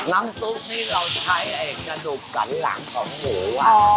น้ำซุปนี่เราใช้กระดูกสันหลังของหมู